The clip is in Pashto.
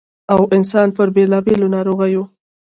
٫ او انسـان پـر بېـلابېـلو نـاروغـيو